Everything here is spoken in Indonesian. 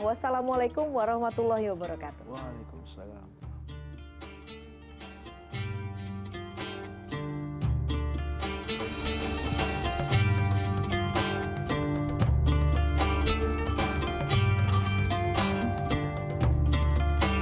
wassalamualaikum warahmatullahi wabarakatuh